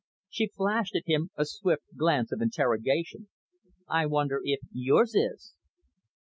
She flashed at him a swift glance of interrogation. "I wonder if yours is?"